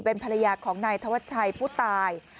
เป็นภรรยาของนายธวัชชัยผู้ตาย